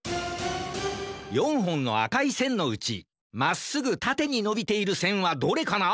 ４ほんのあかいせんのうちまっすぐたてにのびているせんはどれかな？